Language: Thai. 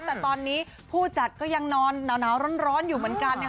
แต่ตอนนี้ผู้จัดก็ยังนอนหนาวร้อนอยู่เหมือนกันนะคะ